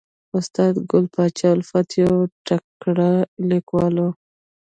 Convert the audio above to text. استاد ګل پاچا الفت یو تکړه لیکوال و